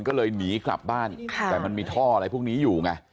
ก็เลยหนีกลับบ้านแต่มันมีท่ออะไรพวกนี้อยู่ไง